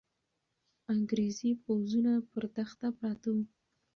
انګریزي پوځونه پر دښته پراته وو.